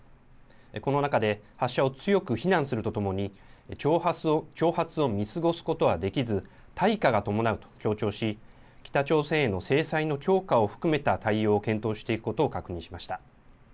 この中で発射を強く非難するとともに挑発を見過ごすことはできず対価が伴うと強調し北朝鮮への制裁の強化を含めた対応を検討していくことを確認しました。